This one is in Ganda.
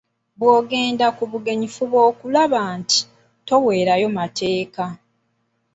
Bw'ogenda ku bugenyi fuba okulaba nti toweerayo mateeka.